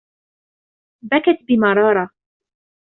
بكت بمرارة.